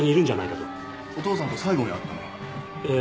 お父さんと最後に会ったのは？